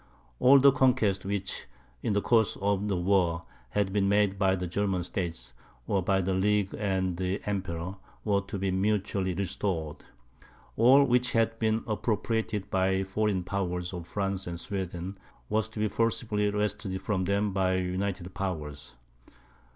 All the conquests which, in the course of the war, had been made by the German states, or by the League and the Emperor, were to be mutually restored; all which had been appropriated by the foreign powers of France and Sweden, was to be forcibly wrested from them by the united powers.